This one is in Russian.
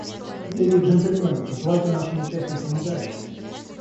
Леди и джентльмены, пожелайте нашим участникам удачи!